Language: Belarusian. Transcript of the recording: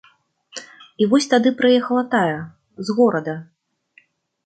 І вось тады прыехала тая, з горада.